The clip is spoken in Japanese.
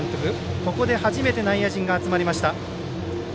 ここで初めて内野陣が集まりました。